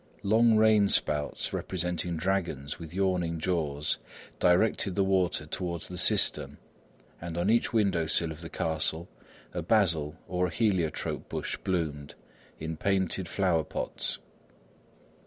Long rain spouts, representing dragons with yawning jaws, directed the water towards the cistern, and on each window sill of the castle a basil or a heliotrope bush bloomed, in painted flower pots.